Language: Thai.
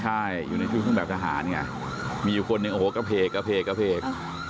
ใช่อยู่ในชุดเครื่องแบบทหารไงมีอยู่คนหนึ่งโอ้โหกระเพกกระเพกกระเพก